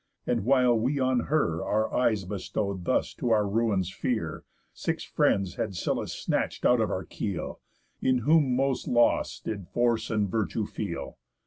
And while we on her Our eyes bestow'd thus to our ruin's fear, Six friends had Scylla snatch'd out of our keel, In whom most loss did force and virtue feel.